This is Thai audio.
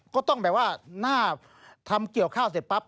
ก็ต้องแบบว่าหน้าทำเกี่ยวข้าวเสร็จปั๊บ